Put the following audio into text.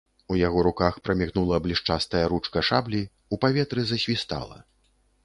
У яго руках прамігнула блішчастая ручка шаблі, у паветры засвістала.